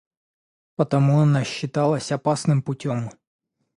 Потому она считалась опасным путём.